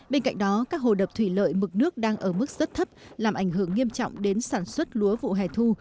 bên cạnh đó các hồ đập thủy lợi mực nước đang ở mức rất thấp làm ảnh hưởng nghiêm trọng đến sản xuất lúa vụ hè thu